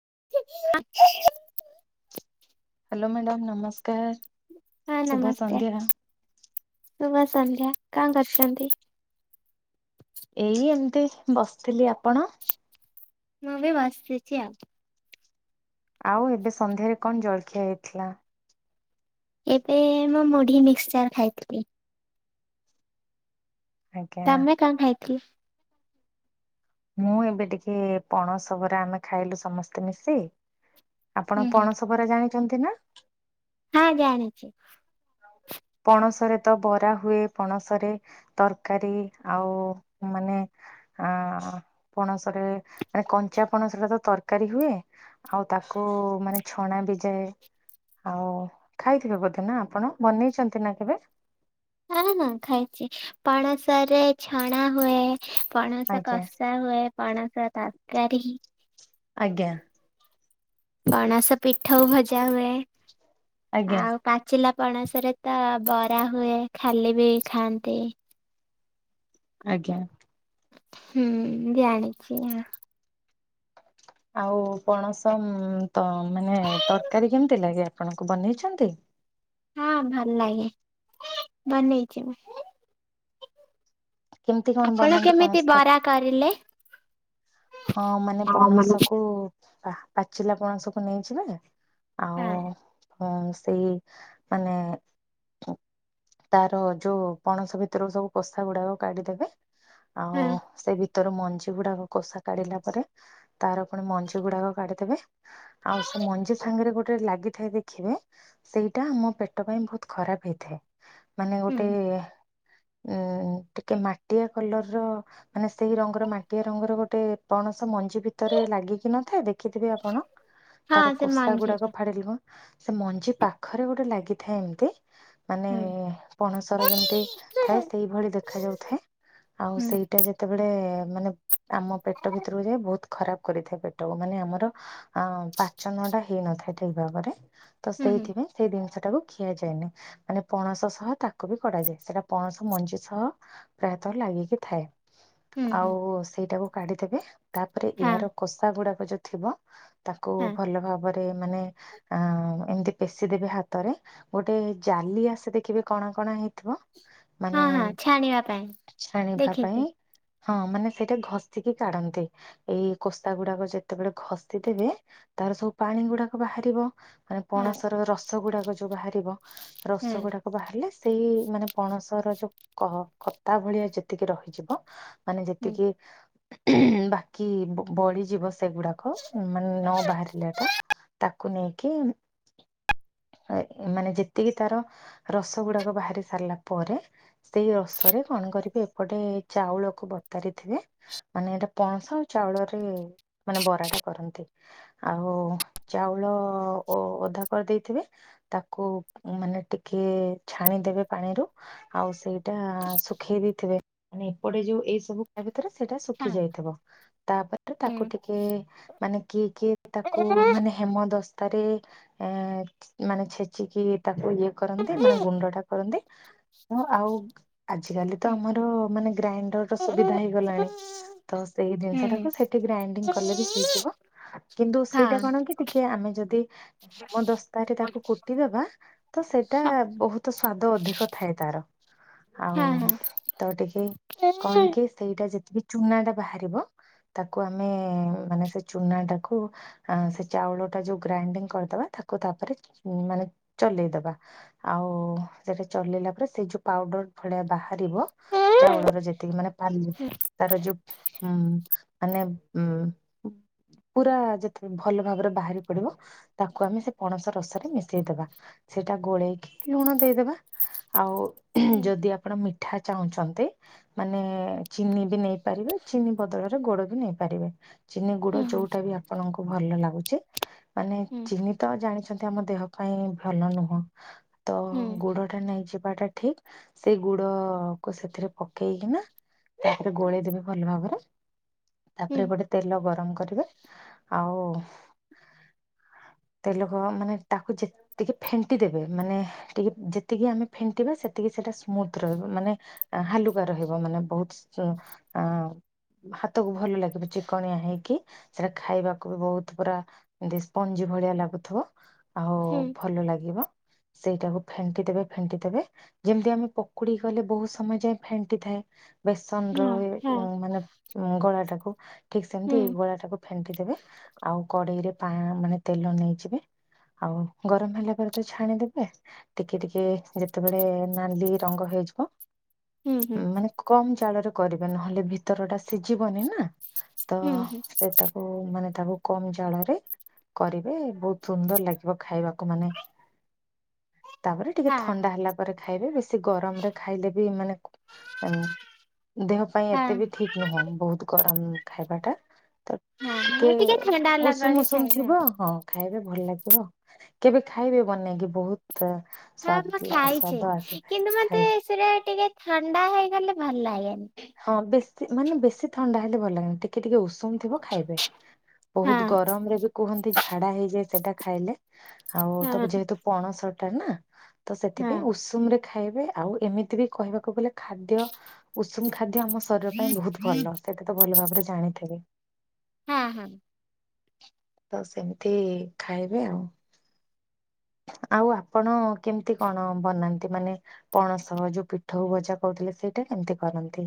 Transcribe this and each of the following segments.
[unintelligible] Hello madam ନମସ୍କାର ହଁ ସୁଭ ନମସ୍କାର ସନ୍ଧ୍ୟା। ଶୁଭ ସନ୍ଧ୍ୟା କଣ କରୁଛନ୍ତି? ଏଇ ଏମିତି ବସିଥିଲି। ଆପଣ ମୁଁ ବି ବସିଛି ଆଉ। ଆଉ ଏବେ ସନ୍ଧ୍ୟାରେ କଣ ଜଳଖିଆ ହେଇଥିଲା? ଏବେ ମୁଁ ମୁଢି ମିକ୍ସଚର ଖାଇଥିଲି। ଆଜ୍ଞା ତମେ କଣ ଖାଇଥିଲି? ମୁଁ ଏବେ ଟିକେ ପଣସ ବରା ଆମେ ଖାଇଲୁ ସମସ୍ତେ ମିଶି। ହୁଁ ଆପଣ ହୁଁ ପଣସ ବରା ଜାଣିଛନ୍ତି ନା? ହଁ ଜାଣିଛି। ପଣସରେ ତ ବରା ହୁଏ। ପଣସରେ ତରକାରୀ ଆଉ ମାନେ ଆ ପଣସରେ ମାନେ କଞ୍ଚା ପଣସ ତ ତରକାରୀ ହୁଏ। ଆଉ ତା ତାକୁ ମାନେ ଛଣା ବି ଯାଏ। ଆଉ ଖାଇଥିବେ ବୋଧେ ନା ଆପଣ ବନେଇଛନ୍ତି। କେ ନା କେବେ? ହଁ ହଁ ଖାଇଛି ପଣସ ରେ ଛଣା ହୁଏ। ପଣସ ଆଜ୍ଞା। କଷା ହୁଏ। ପଣସ ତରକାରୀ। ଆଜ୍ଞା। ପଣସ ପିଠା ଭଜା ହୁଏ। ଆଜ୍ଞା ଆଉ ପାଚିଲା ପଣସରେ ତ ବରା ହୁଏ। ଖାଲି ବି ଖାଆନ୍ତି। ଆଜ୍ଞା। ହୁଁ ଜାଣିଛି। ଆଉ ପଣସ ତ ମାନେ ତରକାରୀ କେମିତି ଲାଗେ ଆପଣଙ୍କୁ ବନେଇଛନ୍ତି? ହଁ ଭଲ ଲାଗେ। ବନେଇଛି ମୁଁ। କେମିତି କଣ ଆପଣ ବନାନ୍ତି ପଣସ କେମିତି ତରକାରୀ? ବରା କରିଲେ? ହଁ ମାନେ ପଣସକୁ ପାଚିଲା ପଣସକୁ ନେଇ ଯିବେ। ହଁ ଆଉ ସେଇ ମାନେ ତାର ଯୋଉ ପଣସ ଭିତର ସବୁ କୋଷା ଗୁଡାକ କାଢି ଦେବେ। ଆଉ ସେ ଭିତରୁ ମଞ୍ଜି ଗୁଡାକ କୋଷା କାଢିଲା ପରେ ତାର ପୁନିଜ ମଞ୍ଜି ଗୁଡାକ କାଢି ଦେବେ। ଆଉ ସେ ମଞ୍ଜି ସାଙ୍ଗରେ ଗୋଟେ ଲା ଗି ଥାଏ ଦେଖିବେ ସେଇଟା ଆମ ପେଟ ପାଇଁ ବହୁତ ଖରାପ ହେଇଥାଏ। ମାନେ ଗୋଟେ ଏ ଏଁ ଟିକେ ମାଟିଆ କଲର ର ମାନେ ସେଇ ରଙ୍ଗର ମାଟିଆ ରଙ୍ଗର ଗୋଟେ ପଣସ ମଞ୍ଜି ଭିତରେ ଲାଗିକି ନଥାଏ। ଦେଖିଥିବେ ଆପଣ ତାର ସେ କୋଷା ମଞ୍ଜିରେ ଗୁଡାକ ଫାଡି ସେ ମଞ୍ଜି ପାଖରେ ଗୋଟେ ଲାଗିଥାଏ ଏମତି। ମାନେ ହୁଁ। ପଣସର ଯେମିତି ଥାଏ ସେଇଭଳି ଦେଖା ଯାଉଥାଏ। ଆଉ ହୁଁ ସେଇଟା ଯେତେବେଳେ ମାନେ ଆମ ପେଟ ଭିତରକୁ ଯାଏ ବହୁତ ଖରାପ କରିଥାଏ ପେଟକୁ। ମାନେ ଆମର ଅ ପାଚନ ଟା ହେଇନଥାଏ ଠିକ୍ ଭାବରେ। ତ ହୁଁ ହୁଁ ସେଇଥିପାଇଁ ସେଇ ଜିନିଷ ଟାକୁ ଖିଆଯାଏନି। ମାନେ ପଣସ ସହ ତାକୁ ବି କଢା ଯାଏ। ସେଟା ପଣସ ମଞ୍ଜି ସହ ଲାଗିକି ଥାଏ। ହୁଁ ହୁଁ ଆଉ ସେଇଟାକୁ କାଢିଦେବେ। ତାପରେ ହଁ ଏହାର କଷା ଗୁଡାକ ଯୋଉ ଥିବ ତାକୁ ହଁ ଭଲ ଭାବ ରେ ମାନେ ଆଁ ଏମତି ପେଶି ଦେବେ ହାତରେ। ଗୋଟେ ଜାଲି ଆସେ ଦେଖିବେ କଣ କଣ ହେଇଥିବ ମାନେ ହଁ ହଁ ଛାଣିବା ପାଇଁ ଛାଣିବା ଦେଖିଛି ପାଇଁ ହଁ ମାନେ ସେଇଟା ଘଶି କି କାଢନ୍ତି ଏଇ କୋଶା ଗୁଡାକ ଯେତେବେଳେ ଘଷି ଦେବେ। ତାର ସବୁ ପାଣି ଗୁଡାକ ବାହାର ବ ମାନେ ହଁ ପଣସ ର ରସ ଗୁଡାକ ଯୋଉ ବାହାରିବ। ହୁଁ ରସ ଗୁଡାକ ବାହାରିଲେ ସେଇ ମାନେ ପଣସ ର ଯୋଉ କ କତା ଭଳିଆ ଯେତିକି ରହିଯିବ ମାନେ ହୁଁ ଯେତିକି ବାକି ବଳି ଯିବ ସେଗୁଡାକ ମାନେ ନ ବାହାରିଲାଟା ତାକୁ ନେଇକି [inaudible] ମାନେ ଯେତିକି ତାର ରସ ଗୁଡାକ ବାହାରି ସାରିଲା ପରେ ସେଇ ରସରେ କଣ କଣ କରିବେ ଏପଟେ ଚାଉଳକୁ ବତାରିଥିବେ। ମାନେ ଏଇଟା ପଣସ ଚାଉଳରେ ମାନେ ବରାଟା କରନ୍ତି। ଆଉ ଚାଉଳ ଓଧା କରି ଦେଇଥିବେ। ତାକୁ ମାନେ ଟିକେ ଛାଣିଦେବେ ପାଣି ରୁ ଆଉ ସେଇଟା ଶୁଖେଇ ଦେଇଥିବେ। ପୁନି ଏପଟେ ଯଉ ଏସବୁ କରିବା ଭିତରେ ଖି ହଁ ଯାଇଥିବ ତାପରେ ତାକୁ ହୁଁ। ଟିକେ ମାନେ କିଏ କିଏ ତାକୁ ମାନେ ହେମ ଦସ୍ ତାରେ ଏ ମାନେ ଛେଚିକି ତାକୁ ଇଏ କରନ୍ତି। ମାନେ ଗୁଣ୍ଡ ଟା କରନ୍ତି। ଆଉ ଆଜିକାଲି ହୁଁ ହୁଁ ତ ଆମର ମାନେ ଗ୍ରାଇଣ୍ଡର ର ସୁବିଧା ହେଇଗଲାଣି। ତ ସେଇ ହୁଁ ଜିନିଷ ହଁ ଟାକୁ ସେଠି ଗ୍ରାଇଣ୍ଡିଙ୍ଗ କଲେ ବି ହେଇଯିବ। କିନ୍ତୁ ସେଇଟା କଣ କି ଟିକେ ଆମେ ଯଦି ଇ ହେମ ଦସ୍ତାରେ ତାକୁ କୁଟିଦବା ତ ସେଇଟା ବହୁତ ସ୍ଵାଦ ଅଧିକ ଥାଏ। ତାର ଆଉ ହଁ ହଁ ହଁ। ତ ଟିକେ ହୁଁ କଣ କି ସେଇଟା ଯେ ଚୁନାଟା ବାହାରିବ। ତାକୁ ଆମେ ମାନେ ସେ ଚୁନା ଟାକୁ ସେ ଚାଉଳ ଟା ଯୋଉ ଗ୍ରାଇଣ୍ଡିଙ୍ଗ କରିଦବା ତାକୁ ତାପରେ ମାନେ ଚଲେଇଦବା ଆଉ ସେଟା ଚଲେଇଲା ପରେ ସେ ଯୋଉ ପାଉଡର ଭଳିଆ ବାହାରିବ ଚାଉଳର ଯେତିକି ମାନେ ପାଲି ତାର ଯୋଉ ଉଁ ମାନେ ଉଁ ପୁରା ଯେତେବେଳେ ଭଲ ଭାବରେ ବାହାରି ପଡିବ। ତାକୁ ଆମେ ସେ ପଣସ ରସରେ ମିଶେଇ ଦବା। ସେଇଟା ଗୋଳେଇକି ଲୁଣ ଦେଇଦବା। ଆଉ ଯଦି ଆପଣ ମିଠା ଚାହୁଁଛନ୍ତି। ମାନେ ଚିନି ବି ନେଇପାରିବେ। ଚିନି ବଦଳରେ ଗୋଡ ବି ନେଇପାରିବେ। ଚିନି ଗୋଡ ହୁଁ ହୁଁ ଯୋଉଟା ବି ଆପଣଙ୍କୁ ଭଲ ଲାଗୁଛି ମାନେ ଚିନି ତ ଜାଣିଛନ୍ତି ଆମ ଦେହ ପାଇଁ ଭଲ ନୁହଁ। ତ ହୁଁ ଗୁଡ ଟା ନାଇଁ ଯି ବାଟା ଠିକ୍। ସେଇ ଗୁଡ କୁ ସେଥିରେ ପକେଇକି ନା ତାକୁ ଗୋଳେଇଦବେ ଭଲ ଭାବରେ ହୁଁ ତାପରେ ଗୋଟେ ତେଲ ଗରମ କରିବେ ଆଉ ହ ତେଲକୁ ମାନେ ତାକୁ ଯେତିକି ଫେଣ୍ଟି ଦେବେ ମାନେ ଟିକେ ଯେତିକି ଆମେ ଫେଣ୍ଟିବା ସେତିକି ସେଟା ସ୍ମୁଥ ରହିବ ମାନେ ହାଲୁକା ରହିବ ମାନେ ବହୁତ ଅ ହାତକୁ ଭଲ ଲାଗିବ ଚିକଣିଆ ହେଇକି ସେଟା ଖାଇବାକୁ ବି ବହୁତ ପୁରା ଦି ସ୍ପଞ୍ଜି ଭଳିଆ ଲାଗୁଥିବ ଆଉ ହୁଁ ହଁ ଭଲ ଲାଗିବ। ସେଇଟାକୁ ଫେଣ୍ଟି ଦେବେ ଫେଣ୍ଟି ଦେବେ ଯେମିତି ଆମେ ପକୁଡି ଗଲେ ବହୁତ ସମୟ ଯାଏ ଫେଣ୍ଟିଥାଏ। ବେସନର ହଁ ଏ ମାନେ ଗଳାଟାକୁ। ଠିକ ସେମତି ହୁଁ ଏଇ ଗୋଳାଟାକୁ ଫେଣ୍ଟି ଦେବେ ଆଉ କଡେଇରେ ପା ମାନେ ତେଲ ନେଇଯିବେ। ଆଉ ଗରମ ହେଲା ପରେ ତ ଛାଣିଦେବେ, ଟିକେ ଟିକେ ଯେତେବେଳେ ନାଲି ରଙ୍ଗ ହେ ଜିବ ହୁଁ ଉଁ ମାନେ କମ ଜାଳରେ କରିବେ ନହେଲେ ଭିତର ଟା ସିଝିବନି ନା। ତ ହୁଁ ହୁଁ ହୁଁ ସେତାକୁ ମାନେ ତାକୁ କମ ଜାଳରେ କରିବେ ବହୁତ ସୁନ୍ଦର ଲାଗିବ ଖାଇବାକୁ। ଲୋକମାନେ ତାପରେ ଟିକେ ଥଣ୍ଡା ହେଲା ପରେ ଖାଇବେ ବେଶି ଗରମରେ ଖାଇଲେ ବି ମାନେ ଉଁ ଦେହ ପାଇଁ ଏତେ ବି ହଁ ଠିକ ନୁହଁ ବହୁତ ଗରମ ଖାଇବାଟା। ତ ହଁ ଟିକେ ହଁ ଥଣ୍ଡା ହେଲା ପରେ ଉଷୁମ ଉଷୁମ ଖାଇବା। ଥିବ ହଁ ଖାଇବେ। ଭଲ ଲାଗିବ କେବେ ଖାଇବେ ବନେଇକି ବହୁତ। ହଁ ମୁଁ ସ୍ଵାଦ ଲା- ଖାଇଛି ସ୍ଵାଦ ଆସିଥାଏ। କିନ୍ତୁ ମତେ ଖାଇ ସେଟା ଟିକେ ଥଣ୍ଡା ହେଇଗଲେ ଭଲ ଲାଗେ। ହଁ ବେଶୀ ମାନେ ବେଶୀ ଥଣ୍ଡା ହେଲେ ଭଲ ଲାଗେନି ଟିକେ ଟିକେ ଉଷୁ [unintelligible] ଥିବ ଖାଇବେ ହଁ ବହୁତ ଗରମରେ ବି କୁହନ୍ତି ଝାଡା ହେଇଯାଏ ସେଟା ଖାଇଲେ। ଆଉ ତ ହଁ ଯେହେତୁ ପଣସଟା ନା ତ ହଁ ସେଥିପାଇଁ ଉଷୁମରେ ଖାଇବେ ଆଉ ଏମିତି ବି କହିବାକୁ ଗଲେ ଖାଦ୍ୟ ଉଷୁମ ଖା ଖାଦ୍ୟ ଆମ ଶରୀର ପାଇଁ ବହୁତ ଭଲ ସେଇଟା ତ ଭଲ ଭାବରେ ଜାଣିଥିବେ। ହୁଁ ହୁଁ। ତ ସେମିତି ଖାଇବେ ଆଉ। [inaudible] ଆଉ ଆପଣ କେମିତି କଣ ବନାନ୍ତି ମାନେ ପଣସ ଯୋଉ ପିଠଉ ଭଜା କହୁଥିଲେ ସେଇଟା? କେମତି କରନ୍ତି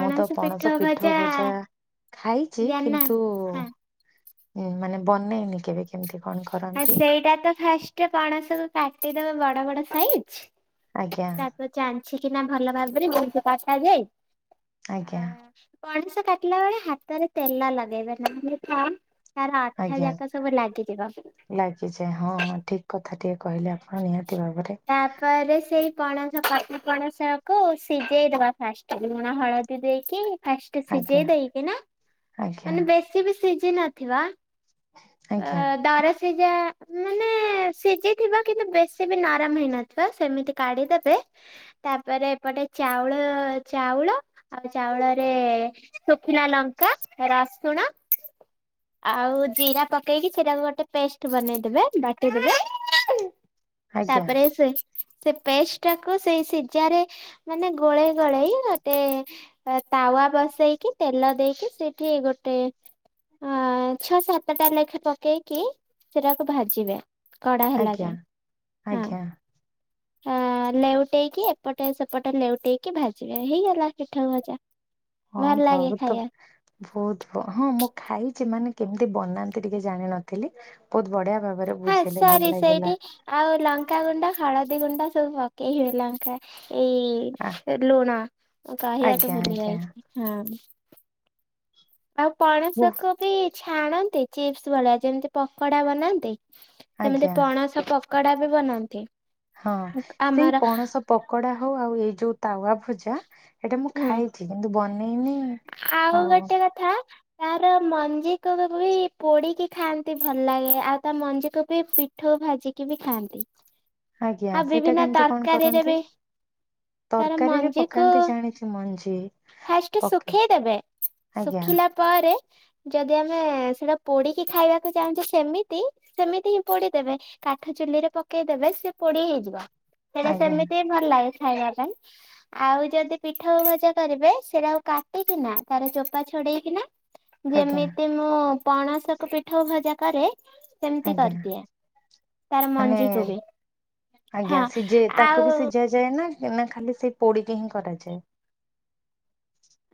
ମୁଁ ତ ପଣସ ପିଠଉ ଭଜା ଖାଇଛି ଜାଣିନା କିନ୍ତୁ ହଁ ଏଇ ମାନେ ବନେଇନି କେବେ କେମତି କଣ ଆଉ କରନ୍ତି। ସେଇଟା ତ ଫାଷ୍ଟ ପଣସକୁୁ କାଟିଦବ ବଡ ବଡ ସାଇଜ ଆଜ୍ଞା ତାପରେ ଚା ଅଛି କିନା ଭଲ ଭାବରେ ଯେମିତି କଠାଯାଏ ଅ ଆଜ୍ଞା ପଣସ କାଟିଲା ବେଳେ ହାତରେ ତେଲ ଲଗେଇବେ ନହେଲେ ଫ୍ୟା ତାର ଅଠା ଆଜ୍ଞା। ଯାକ ସବୁ ଲାଗିଯିବ। ଲାଗିଯାଏ। ହଁ ହଁ ଠିକ କଥା ଟିଏ କହିଲେ ଆପଣ ନିହାତି ଭାବରେ ତାପରେ ସେଇ ପଣସ ପ ପଣସ କୁ ସିଝେଇ ଦବା ଫାଷ୍ଟ ଲୁଣ ହଳଦୀ ଦେଇକି। ଫାଷ୍ଟ ଆଜ୍ଞା ସିଝେଇ ଦେଇକିନା ଆଜ୍ଞା। ମାନେ ବେଶୀ ବି ସିଝି ନଥିବା। ଆଜ୍ଞା ଅ ଦରସିଝା ମାନେ ଏ ସିଝିଥିବ କିନ୍ତୁ ବେଶୀ ବି ନରମ ହେଇନଥିବ ସେମିତି କାଢିଦେବେ, ତାପରେ ପଟେ ଚାଉଳ ଚାଉଳ ଆଉ ଚାଉଳରେ ଶୁଖିଲା ଲଙ୍କା ର ରସୁଣ ଆଉ ଜିରା ପକେଇକି ସେଟାକୁ ଗୋଟେ ପେଷ୍ଟ ବନେଇଦବେ ବାଟିଦବେ ଆଜ୍ଞା ତାପରେ ସେ ସେ ପେଷ୍ଟଟାକୁ ସେଇ ସିଝାରେ ମାନେ ଗୋଳେଇ ଗୋଳେଇ ଗୋଟେ ଏ ତାୱା ବସେଇକି ତେଲ ଦେଇକି ସେଇଠି ଗୋଟେ ଅ ଛଅ ସାତଟା ଲେଖା ପକେଇକି ତାକୁ ଭାଜିବେ କଡା ହେଲା ଆଜ୍ଞା ଯାଏ ହଁ। ଆଜ୍ଞା। ହ ଲେଉଟେଇକି ଏପଟେ ସେପଟେ ଲେଉଟେଇକି ଭାଜିବେ ହେଇଗଲା ପିଠଉ ଭଜା। ହଁ ଭଲ ଲାଗେ ବହୁତ ଖାଇବା ବହୁତ ହଁ ମୁଁ। ଖାଇଚି ମାନେ କେମିତି ବନାନ୍ତି ଟିକେ ଜାଣିିନଥିଲି ବୋହୁତ ବଢ଼ିଆ ହଁ ସରି ସେଇଠି ଆଉ ଲଙ୍କାଗୁଣ୍ଡ ହଳ ଦି ଗୁଣ୍ଡା ସବୁ ପକେଇ ହେ ଲଙ୍କା। ଆ- ଏଇ ଲୁଣ ଉଁ କହିବାକୁ ଆଜ୍ଞା ଭୁଲି ଆଜ୍ଞା। ଯାଇଥି ହଁ। ଆଉ ବହୁ- ପଣସକୁ ବି ଛାଣନ୍ତି ଚିପ୍ସ୍ ଭଳିଆ ଯେମିତି ପକଡ଼ା ବନାନ୍ତି। ସେମିତି ଆଜ୍ଞା ପଣସ ପକଡ଼ା ବି ବନାନ୍ତି। ହଁ ସେଇ ଆମର ପଣସ ପକଡ଼ା ହଉ ଆଉ ଏଇ ଯୋଉ ତାୱା ଭଜା ହେଟା ମୁଁ ହୁଁ ଖାଇଚି କିନ୍ତୁ ବ ଆଉ ଗୋଟେ କଥା ତାର ମଞ୍ଜିକୁ ବି ବୋହି ପୋଡ଼ିକି ଖାଆନ୍ତି ଭଲ ଲାଗେ ଆଉ ତା ମଞ୍ଜିକୁ ବି ପିଠଉ ଭାଜିକି ବି ଖାଆନ୍ତି। ଆଜ୍ଞା ଆଉ ସେଟା ବିଭିନ୍ନ କେମତି କଣ ତରକାରୀରେ କରନ୍ତି? ବି ତାର ତରକାରୀରେ ପକାନ୍ତି ଜାଣିଚି ମଞ୍ଜି। ଫାଷ୍ଟେ ପକେ ଶୁଖେଇ ଦେବେ ଆଜ୍ଞା ଶୁଖିଲା ପରେ ଯଦି ଆମେ ସେଟା ପୋଡ଼ିକି ଖାଇବାକୁ ଚାହୁଁଚେ ସେମିତି ସେମିତି ହିଁ ପୋଡ଼ିଦେବେ କାଠ ଚୁଲିରେ ପକେଇଦେବେ ସିଏ ପୋଡ଼ି ହେଇଯିବ। ସେଟା ଆଜ୍ଞା ସେମିତି ଭଲ ଲାଗେ ଖାଇବା ପାଇଁ ଆଉ ଯଦି ପିଠଉ ଭଜା କରିବେ ସେଟାକୁ କାଟିକିନା ତାର ଚୋପା ଛଡ଼େଇକିନା ଆଜ୍ଞା ଯେମିତି ମୁଁ ପଣସକୁ ପିଠଉ ଭଜା କରେ ସେମିତି ଆଜ୍ଞା କରିଦିଏ ତାର ମାନେ ମଞ୍ଜିକୁ ବି। ଆଜ୍ଞା ହଁ। ସିଝେଇ ତାକୁ ଆଉ ବି ସିଝା ଯାଏ ନାଁ? ଏନା ଖାଲି ସେଇ ପୋଡ଼ିକି ହିଁ କରାଯାଏ।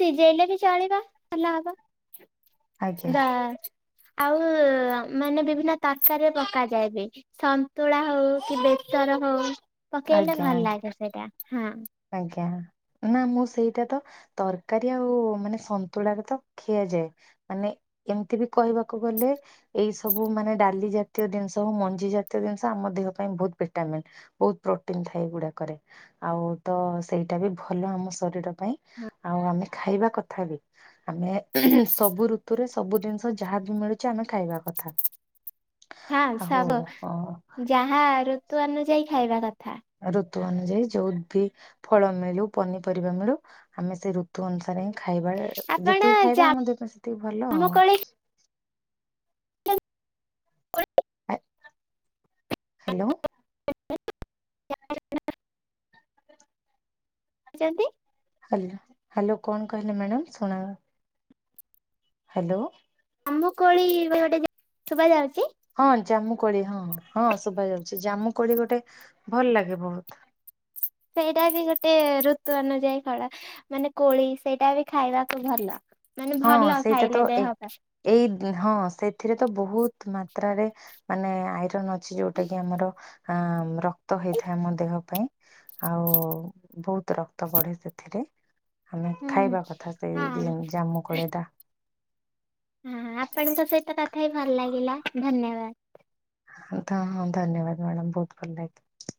ସିଝେଇଲେ ବି ଚଳିବ ଭଲ ହବ। ଆଜ୍ଞା ଆଉ ମାନେ ବିଭିନ୍ନ ତରକରିରେ ପକାଯାଏ ବି ସନ୍ତୁଳା ହଉ କି ବେ ତର ହଉ ପକେଇଲେ ଆଜ୍ଞା ଭଲ ଆଜ୍ଞା। ଲାଗେ ସେଇଟା ହଁ। ଆଜ୍ଞା ନାଁ ମୁଁ ସେଇଟା ତ ତରକାରୀ ଆଉ ମାନେ ସନ୍ତୁଳାରେ ତ ଖିଆ ଯାଏ ମାନେ ଏମତି ବି କହିବାକୁ ଗଲେ ଏଇ ସବୁ ମାନେ ଡାଲି ଜାତୀୟ ଦିନିଷ ମୁଁ ମଞ୍ଜି ଜାତୀୟ ଜିନିଷ ଆମ ଦେହ ପାଇଁ ଭୋଉତ୍ ଭିଟାମିନ୍ ବୋହୁତ ପ୍ରୋଟିନ୍ ଥାଏ ଏଗୁଡ଼ାକରେ ଆଉ ତ ସେଇଟା ବି ଭଲ ଆମ ଶରୀର ପାଇଁ ଆଉ ଆମେ ଖାଇବା କଥା ବି ଆମେ ସବୁ ଋତୁରେ ସବୁ ଜିନିଷ ଯାହା ବି ମିଳୁଚି ଆମେ ଖାଇବା କଥା। ହଁ ଆଉ ସବୁ ଅ ଯାହା ଋତୁ ଅନୁଯାୟୀ ଖାଇବା କଥା। ଋତୁ ଅନୁଯାୟୀ ଯୋଉ ବି ଫଳ ମିଳୁ ପନିପରିବା ମିଳୁ ଆମେ ସେଇ ଋତୁ ଅନୁସାରେ ହିଁ ଖାଇବା ଆପଣ ଯେତିକି ଖାଇବା ଆମ ଦେହ ପାଇଁ ସେତିକି ଭଲ ଆଉ। ଜାମୁକୋଳି [unintelligible] ଆ ହାଲୋ। [inaudible] ଚନ୍ତି। ହାଲୋ ହାଲୋ କଣ କହିଲେ ମାଡ଼ାମ୍ ଶୁଣା ହାଲୋ। ମୁକୋଳି ବ ଗୋଟେ ଜା ଶୁବା ଯାଉଚି? ହଁ ଜାମୁ କୋଳି ହଁ ହଁ ଶୁଭା ଯାଉଚି ଜାମୁ କୋଳି ଗୋଟେ ଭଲ ଲାଗେ ବହୁତ୍। [inaudible] ସେଇଟା ବି ଗୋଟେ ଋତୁ ଅନୁଯାୟୀ ଫଳ ମାନେ କୋଳି ସେଇଟା ବି ଖାଇବାକୁ ଭଲ। ମାନେ ହଁ ଭଲ ସେଇଟା ତ ଖାଇଲେ ଏ ଦେହ ପାଇଁ ଏଇ ହଁ ସେଥିରେ ତ ବହୁ ତ୍ ମାତ୍ରାରେ ମାନେ ଆଇରନ୍ ଅଛି ଯୋଉଟା କି ଆମର ଅଁ ର ତ ହେଇଥାଏ ଆମ ଦେହ ପାଇଁ ଆଉ ବୋହୁତ ରକ୍ତ ବଢ଼େ ସେଥିରେ। ଆମେ ହୁଁ ଖାଇବା କଥା ସେ ଯେ ହଁ। ଜାମୁ କୋଳିଟା ହୁଁ ଆପଣଙ୍କ ସହିତ କଥା ହେଇକି ଭଲ ଲାଗିଲା ଧନ୍ୟବା। ହଁ ତ ହଁ ଧନ୍ୟବାଦ ମାଡ଼ାମ୍ ବୋହୁତ ଭଲ ଲାଗେ।